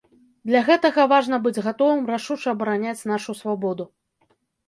Для гэтага важна быць гатовым рашуча абараняць нашу свабоду.